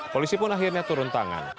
polisi pun akhirnya turun tangan